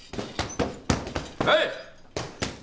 はい！